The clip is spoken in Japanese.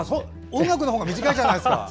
音楽の方が短いじゃないですか。